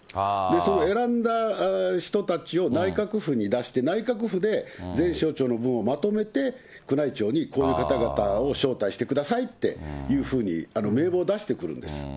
その選んだ人たちを内閣府に出して、内閣府で全省庁の分をまとめて、宮内庁にこういう方々を招待してくださいっていうふうに、名簿を出してくるんです。